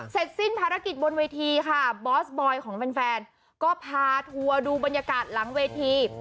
เสร็จสิ้นภารกิจบนเวทีค่ะบอสบอยของแฟนก็พาทัวร์ดูบรรยากาศหลังเวที